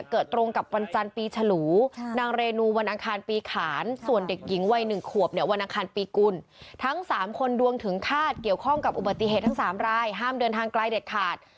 ๓คนดวงถึงฆาตเกี่ยวข้องกับอุบัติเหตุทั้ง๓รายห้ามเดินทางไกลเด็ดขาด